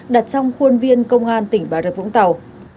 đặt trong khuôn viên công an tỉnh bà rập vũng tàu